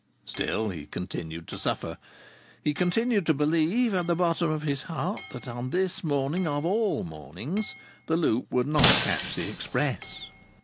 Still, he continued to suffer. He continued to believe, at the bottom of his heart, that on this morning, of all mornings, the Loop would not catch the express.